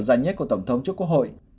dài nhất của tổng thống trước quốc hội